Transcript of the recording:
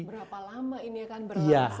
berapa lama ini ya kan berlangsung juga mas